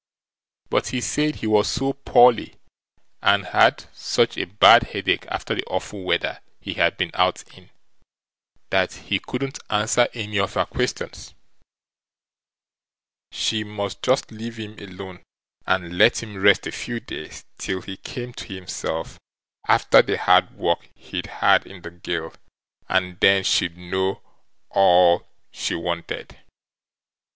But he said he was so poorly and had such a bad headache after the awful weather he had been out in, that he couldn't answer any of her questions; she must just leave him alone and let him rest a few days till he came to himself after the hard work he'd had in the gale, and then she'd know all she wanted.